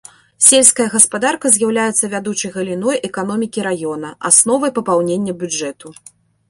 Сельская гаспадарка з'яўляецца вядучай галіной эканомікі раёна, асновай папаўнення бюджэту.